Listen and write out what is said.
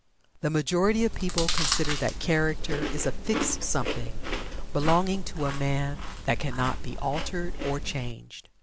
The majority of people consider that Character is a fixed something, belonging to a man, that cannot be altered or changed.